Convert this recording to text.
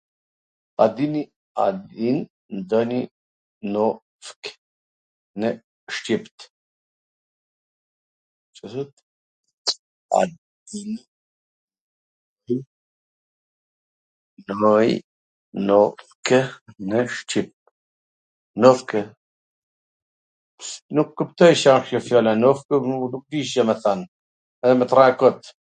A dini ndonjw nofk nw shqipt? Ca thot? Nofkw? Nuk kuptoj Ca do me than kjo fjala nofkw dhe nuk kisha me than, edhe me t rrejt kot.